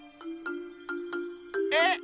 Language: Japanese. えっ？